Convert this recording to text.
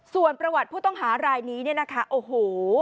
ส่วนประวัติผู้ต้องหารายนี้เนี่ยนะคะโอ้โห